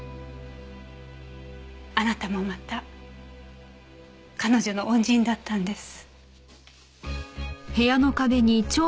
あなたもまた彼女の恩人だったんです。